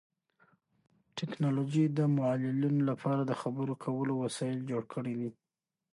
ټیکنالوژي د معلولینو لپاره د خبرو کولو وسایل جوړ کړي دي.